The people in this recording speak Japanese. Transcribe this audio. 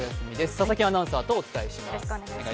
佐々木アナウンサーとお伝えします。